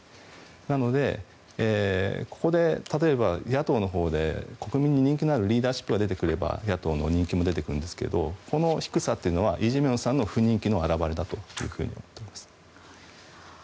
なので、ここで例えば野党のほうで、国民に人気のあるリーダーシップが出てくれば野党の人気も出てくるんですがこの低さというのはイ・ジェミョンさんの不人気の表れだと思っています。